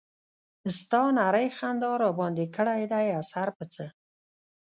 ستا نرۍ خندا راباندې کړے دے اثر پۀ څۀ